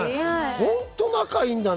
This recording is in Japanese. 本当に仲いいんだね。